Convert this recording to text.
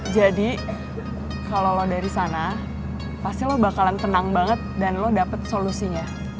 jadi kalau lo dari sana pasti lo bakalan tenang banget dan lo dapet solusinya